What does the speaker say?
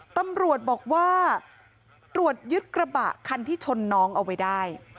ตำรวจบอกว่าตรวจยึดกระบะคันที่ชนน้องเอาไว้ได้